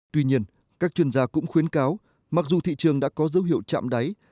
tuy nhiên các chuyên gia cũng khuyến cáo mặc dù thị trường đã có dấu hiệu chạm đáy